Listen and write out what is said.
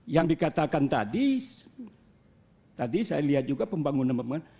yang dikatakan tadi saya lihat juga pembangunan pembangunan